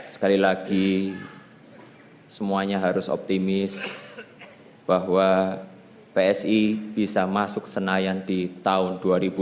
sekali lagi semuanya harus optimis bahwa psi bisa masuk senayan di tahun dua ribu dua puluh empat